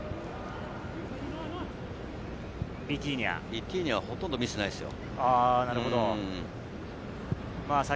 ビティーニャはほとんどミスがないですよ。